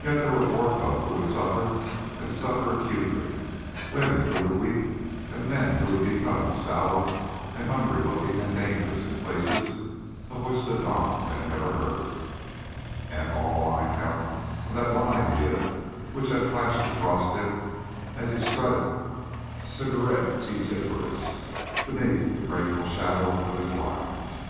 Yet there were poor folk who would suffer, and suffer acutely women who would weep, and men who would become sallow and hungry looking and dangerous in places of which the Don had never heard, and all on account of that one idea which had flashed across him as he strutted, cigarettiferous, beneath the grateful shadow of his limes.